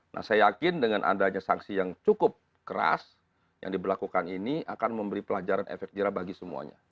nah saya yakin dengan adanya sanksi yang cukup keras yang diberlakukan ini akan memberi pelajaran efek jerah bagi semuanya